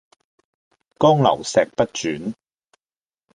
江流石不轉